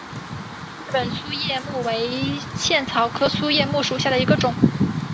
日本粗叶木为茜草科粗叶木属下的一个种。